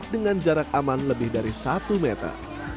dengan jarak aman lebih dari satu meter